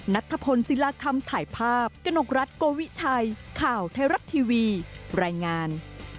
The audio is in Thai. นัทธพลศิลาคำถ่ายภาพกระนกรัฐโกวิชัยข่าวไทยรัฐทีวีรายงาน